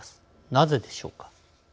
なぜでしょうか。